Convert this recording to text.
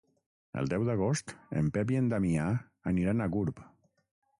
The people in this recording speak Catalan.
El deu d'agost en Pep i en Damià aniran a Gurb.